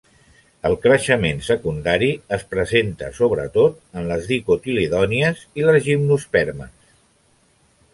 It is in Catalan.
El creixement secundari es presenta sobretot en les dicotiledònies i les gimnospermes.